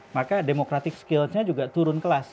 maka democratic skills nya juga turun kelas